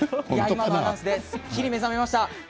今のアナウンスですっきり目覚めました。